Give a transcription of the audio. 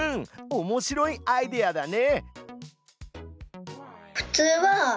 おもしろいアイデアだね！